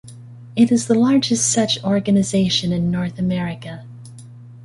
It is the largest such organization in North America.